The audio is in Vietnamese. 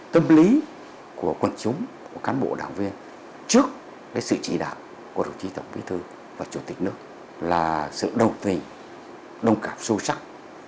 tâm lý của quần chúng của cán bộ đảng viên trước sự chỉ đạo của đồng chí tổng bí thư và chủ tịch nước là sự đồng tình đồng cảm sâu sắc